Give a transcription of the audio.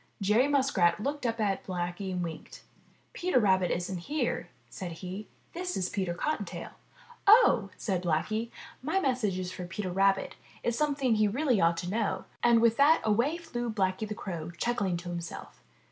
Jerry Muskrat looked up at Blacky and winked. 'Teter Rabbit isn't here," said he. 'This is Peter Cottontail." ''Oh!" said Blacky, "My message is for Peter Rabbit, and it's something he really ought to know. I'm sorry he isn't here." And with that, away flew Blacky the Crow, chuckling to himself.